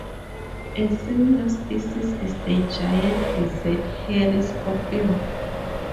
A similar species is the giant desert hairy scorpion.